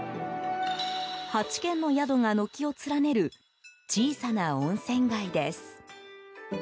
８軒の宿が軒を連ねる小さな温泉街です。